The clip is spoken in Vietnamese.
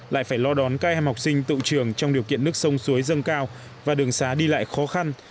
lại phải lo đón các em học sinh tự trường trong điều kiện nước sông suối dâng cao và đường xá đi lại khó khăn